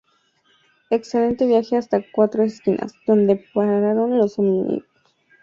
Excelente viaje hasta cuatro esquinas, donde pararon los ómnibus.